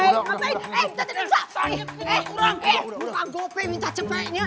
eh muka gope minta cepat